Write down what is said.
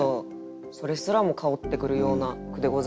それすらも薫ってくるような句でございましたけれども。